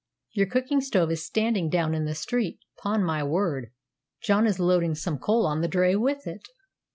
Your cooking stove is standing down in the street; 'pon my word, John is loading some coal on the dray with it."